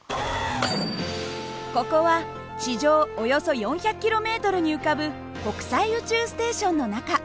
ここは地上およそ４００ｋｍに浮かぶ国際宇宙ステーションの中。